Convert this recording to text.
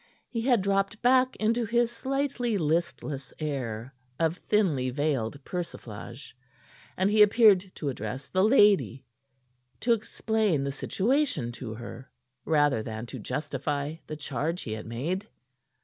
He had dropped back into his slightly listless air of thinly veiled persiflage, and he appeared to address the lady, to explain the situation to her, rather than to justify the charge he had made.